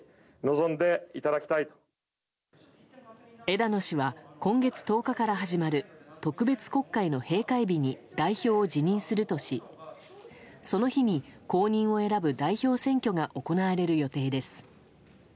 枝野氏は今月１０日から始まる特別国会の閉会日に代表を辞任するとしその日に、後任を選ぶ代表選挙が行われる予定です。